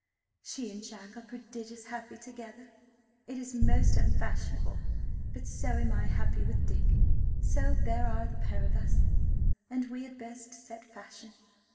"She and Jack are prodigious happy together; it is most Unfashionable, but so am I happy with Dick, so there are a Pair of us, and we had best sett Fashion.